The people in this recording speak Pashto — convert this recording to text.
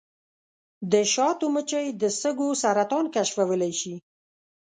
د شاتو مچۍ د سږو سرطان کشفولی شي.